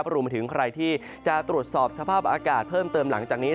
รวมไปถึงใครที่จะตรวจสอบสภาพอากาศเพิ่มเติมหลังจากนี้